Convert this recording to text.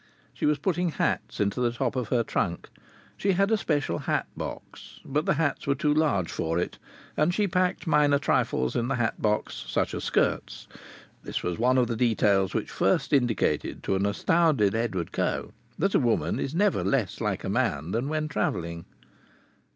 She was putting hats into the top of her trunk. She had a special hat box, but the hats were too large for it, and she packed minor trifles in the hat box, such as skirts. This was one of the details which first indicated to an astounded Edward Coe that a woman is never less like a man than when travelling.